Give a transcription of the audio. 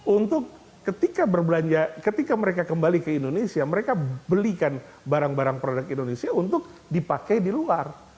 untuk ketika berbelanja ketika mereka kembali ke indonesia mereka belikan barang barang produk indonesia untuk dipakai di luar